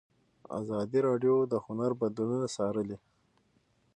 ازادي راډیو د هنر بدلونونه څارلي.